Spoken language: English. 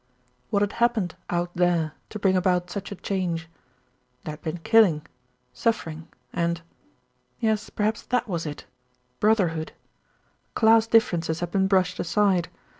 What had happened "out there" to bring about such a change? There had been killing, suffering and yes; perhaps that was it brotherhood. Class differ ences had been brushed aside.